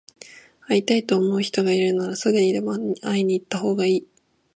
会いたいと思う人がいるなら、すぐにでも会いに行ったほうがいい。